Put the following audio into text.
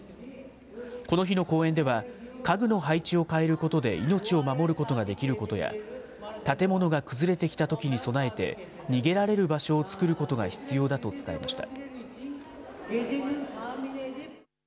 この日の講演では、家具の配置を変えることで命を守ることができることや、建物が崩れてきたときに備えて、逃げられる場所を作ることが必要だと伝えました。